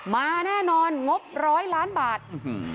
มาแน่นอนงบร้อยล้านบาทอื้อฮือ